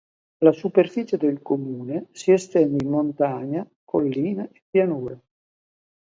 La superficie del comune si estende in montagna, collina e pianura.